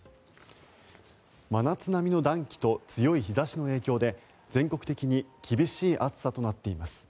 真夏並みの暖気と強い日差しの影響で全国的に厳しい暑さとなっています。